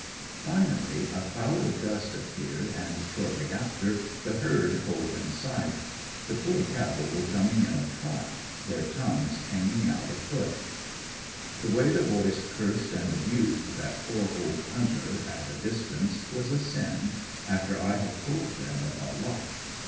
Finally a cloud of dust appeared, and shortly after, the herd hove in sight. The poor cattle were coming in a trot, their tongues hanging out a foot. The way the boys cursed and abused that poor old hunter, at a distance, was a sin, after I had told them of our luck.